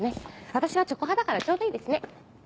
私はチョコ派だからちょうどいいですね！